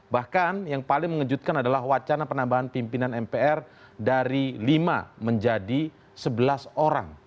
bahkan yang paling mengejutkan adalah wacana penambahan pimpinan mpr dari lima menjadi sebelas orang